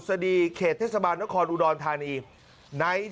ดุษฎีเขตเทศบาลนครอุดรธานีรับแจ้งเหตุ